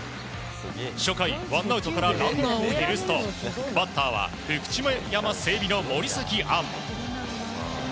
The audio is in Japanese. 初回、ワンアウトからランナーを許すとバッターは福知山成美の森崎杏。